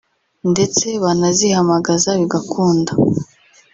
ndetse banazihamagaza bigakunda